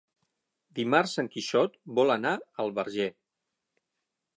Dimarts en Quixot vol anar al Verger.